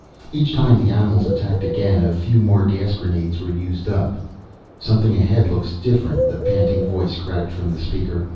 Each time the animals attacked again, a few more gas grenades were used up. "Something ahead looks different," the panting voice cracked from the speaker.